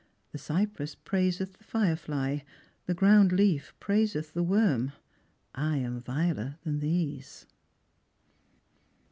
The cypress praiseth the fire fly, the ground leaf praiseth the worm ; I am viler than these."